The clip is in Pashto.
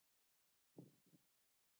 هغه د رښتیا او عدم تشدد درس ورکړ.